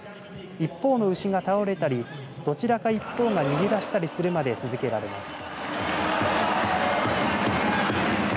一方の牛が倒れたりどちらか一方が逃げ出したりするまで続けられます。